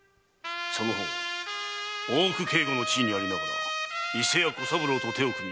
その方大奥警護の地位にありながら伊勢屋・小三郎と手を組み